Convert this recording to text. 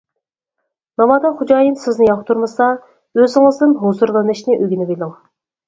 ناۋادا خوجايىن سىزنى ياقتۇرمىسا، ئۆزىڭىزدىن ھۇزۇرلىنىشنى ئۆگىنىۋېلىڭ.